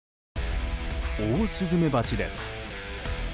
オオスズメバチです。